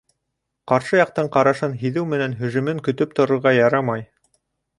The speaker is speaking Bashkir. Ҡаршы яҡтың ҡарашын һиҙеү менән һөжүмен көтөп торорға ярамай.